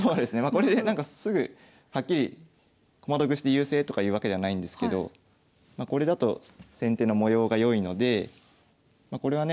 これでなんかすぐはっきり駒得して優勢とかいうわけではないんですけどこれだと先手の模様が良いのでこれはね